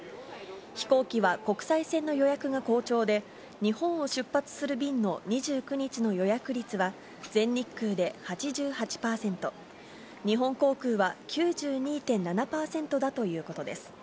飛行機は国際線の予約が好調で、日本を出発する便の２９日の予約率は全日空で８８％、日本航空は９２．７％だということです。